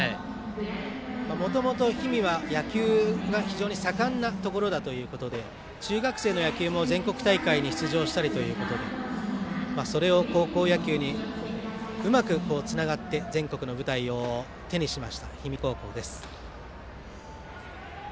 もともと氷見は野球が非常に盛んなところで中学生の野球も全国大会に出場したりということでそれを高校野球にうまくつながって全国の舞台を手にした氷見高校。